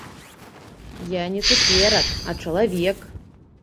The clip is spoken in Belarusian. Я не цукерак, а чалавек.